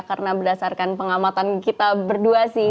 karena berdasarkan pengamatan kita berdua sih